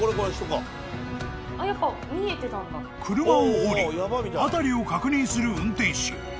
［車を降り辺りを確認する運転手］